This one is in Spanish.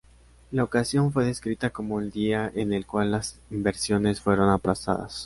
La ocasión fue descrita como el día en el cual las inversiones fueron aplastadas.